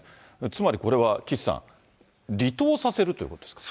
つまりこれは岸さん、離党させるということですか。